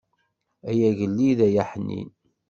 Ay agellid ay aḥnin.